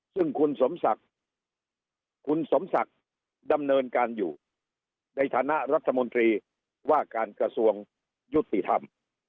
ซึ่งคุณสมศักดิ์คุณสมศักดิ์ดำเนินการอยู่ในฐานะรัฐมนตรีว่าการกระทรวงยุติธรรม